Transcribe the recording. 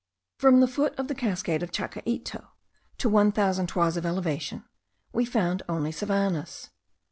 From the foot of the cascade of Chacaito to one thousand toises of elevation, we found only savannahs.